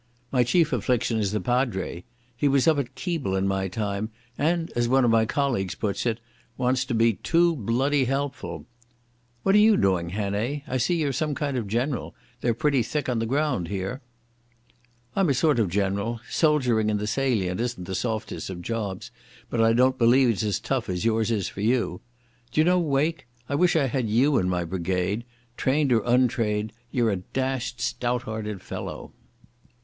My chief affliction is the padre. He was up at Keble in my time, and, as one of my colleagues puts it, wants to be 'too bloody helpful'.... What are you doing, Hannay? I see you're some kind of general. They're pretty thick on the ground here." "I'm a sort of general. Soldiering in the Salient isn't the softest of jobs, but I don't believe it's as tough as yours is for you. D'you know, Wake, I wish I had you in my brigade. Trained or untrained, you're a dashed stout hearted fellow."